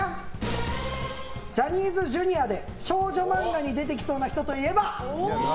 ジャニーズＪｒ．で少女漫画に出てきそうな人といえば？